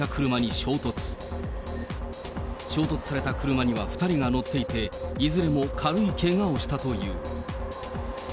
衝突された車には２人が乗っていて、いずれも軽いけがをしたという。